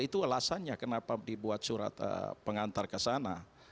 itu alasannya kenapa dibuat surat pengantar ke sana